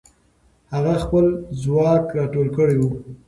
هغه خپل ځواک راټول کړی وو.